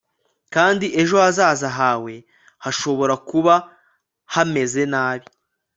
kandi ejo hazaza hawe hashobora kuba hameze nabi